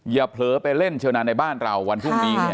เผลอไปเล่นเชี่ยวนานในบ้านเราวันพรุ่งนี้